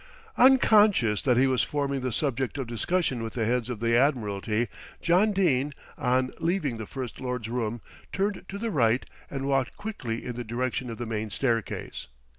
Unconscious that he was forming the subject of discussion with the heads of the Admiralty, John Dene, on leaving the First Lord's room, turned to the right and walked quickly in the direction of the main staircase.